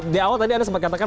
di awal tadi anda sempat katakan